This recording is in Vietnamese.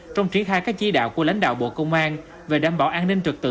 trong triển khai các chỉ đạo của lãnh đạo bộ công an về đảm bảo an ninh trực tự